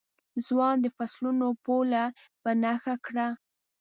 ځوان د فصلونو پوله په نښه کړه.